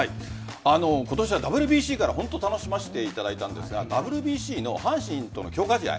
今年はＷＢＣから本当に楽しませていただいたんですがＷＢＣの阪神との強化試合。